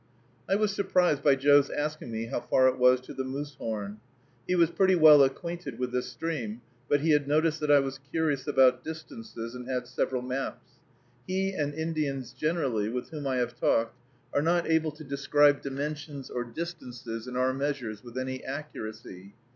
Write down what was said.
I was surprised by Joe's asking me how far it was to the Moosehorn. He was pretty well acquainted with this stream, but he had noticed that I was curious about distances, and had several maps. He and Indians generally, with whom I have talked, are not able to describe dimensions or distances in our measures with any accuracy.